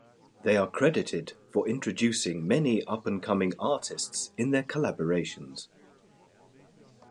They are credited for introducing many up and coming artists in their collaborations.